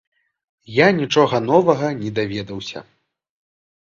Я нічога новага не даведаўся.